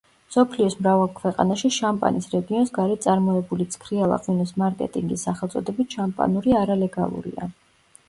მსოფლიოს მრავალ ქვეყანაში შამპანის რეგიონს გარეთ წარმოებული ცქრიალა ღვინოს მარკეტინგი სახელწოდებით „შამპანური“ არალეგალურია.